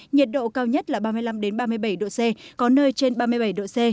nhiệt độ cao nhất là ba mươi năm ba mươi bảy độ c có nơi trên ba mươi bảy độ c